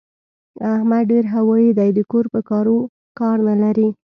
احمد ډېر هوايي دی؛ د کور په کارو کار نه لري.